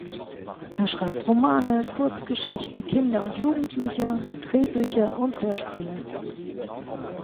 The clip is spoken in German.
Er schreibt Romane, Kurzgeschichten, Kinder- und Jugendbücher, Drehbücher und Hörspiele.